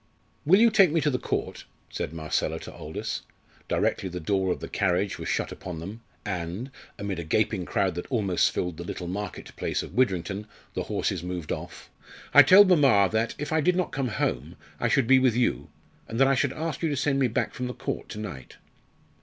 "Will you take me to the Court?" said Marcella to Aldous, directly the door of the carriage was shut upon them, and, amid a gaping crowd that almost filled the little market place of Widrington, the horses moved off. "I told mamma, that, if I did not come home, I should be with you, and that I should ask you to send me back from the Court to night."